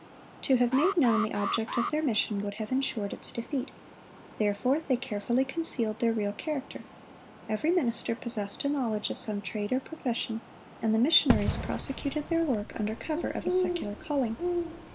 To have made known the object of their mission would have insured its defeat; therefore they carefully concealed their real character. Every minister possessed a knowledge of some trade or profession, and the missionaries prosecuted their work under cover of a secular calling.